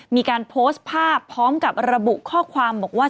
มีการโพสต์ภาพพร้อมกับระบุข้อความบอกว่า